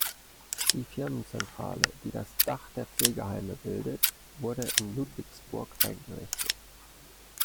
Die Firmenzentrale, die das Dach der Pflegeheime bildet, wurde in Ludwigsburg eingerichtet.